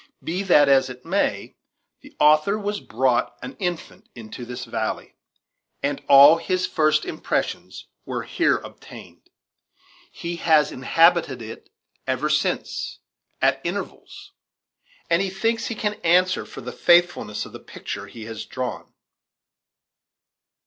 Be that as it may, the author was brought an infant into this valley, and all his first impressions were here obtained. He has inhabited it ever since, at intervals; and he thinks he can answer for the faithfulness of the picture he has drawn.